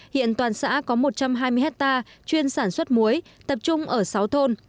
hiện toàn xã có một trăm hai mươi hectare chuyên sản xuất muối tập trung ở sáu thôn